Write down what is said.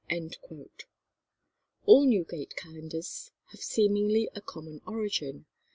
All Newgate calendars have seemingly a common origin.